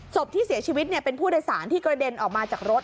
ศพที่เสียชีวิตเป็นผู้โดยสารที่กระเด็นออกมาจากรถ